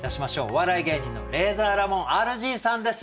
お笑い芸人のレイザーラモンＲＧさんです。